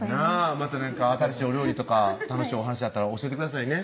また何か新しいお料理とか楽しいお話あったら教えてくださいね